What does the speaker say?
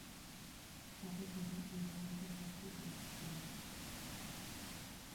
তাতে জমির উর্বরতা শক্তি বৃদ্ধি পায়।